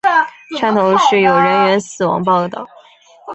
汕头市有人员死亡报导。